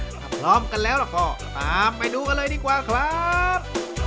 ถ้าพร้อมกันแล้วก็ตามไปดูกันเลยดีกว่าครับ